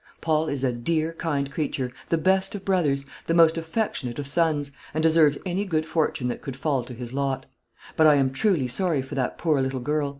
Paul is a dear, kind creature, the best of brothers, the most affectionate of sons, and deserves any good fortune that could fall to his lot; but I am truly sorry for that poor little girl.